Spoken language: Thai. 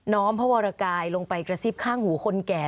้อมพระวรกายลงไปกระซิบข้างหูคนแก่